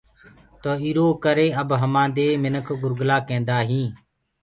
تو اِرو ڪري اب هماندي مِنکَ گُرگَلآ ڪيندآئينٚ۔